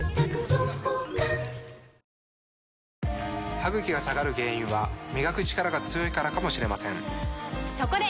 歯ぐきが下がる原因は磨くチカラが強いからかもしれませんそこで！